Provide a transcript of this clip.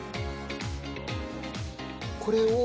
これを？